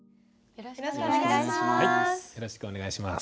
よろしくお願いします。